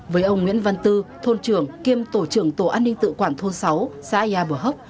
với ông nguyễn văn tư thôn trưởng kiêm tổ trưởng tổ an ninh tự quản thôn sáu xã yà bờ hốc